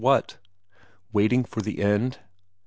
Waiting for the end?